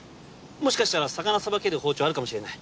もしかしたら魚さばける包丁あるかもしれない。